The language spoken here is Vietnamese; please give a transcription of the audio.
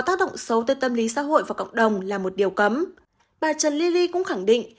tác động xấu tới tâm lý xã hội và cộng đồng là một điều cấm bà trần li ly cũng khẳng định